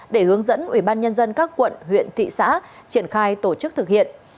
để hướng dẫn ubnd các quận huyện thị xã triển khai tổ chức thực hiện